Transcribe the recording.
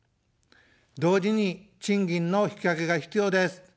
同時に賃金の引き上げが必要です。